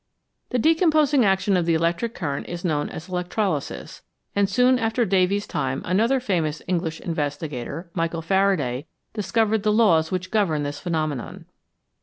The decomposing action of the electric current is known as "electrolysis," and soon after Davy's time another famous English investigator, Michael Faraday, discovered the laws which govern this phenomenon.